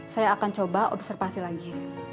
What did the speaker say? saya akan coba observasi lagi